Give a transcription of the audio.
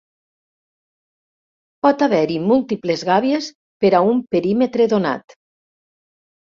Pot haver-hi múltiples gàbies per a un perímetre donat.